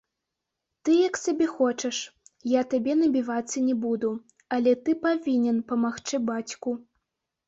Ты як сабе хочаш, я табе набівацца не буду, але ты павінен памагчы бацьку.